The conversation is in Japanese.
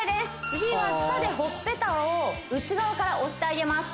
次は舌でほっぺたを内側から押してあげます